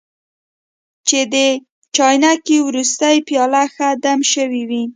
چې د چاینکې وروستۍ پیاله ښه دم شوې وي.